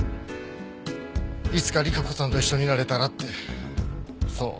いつか莉華子さんと一緒になれたらってそう。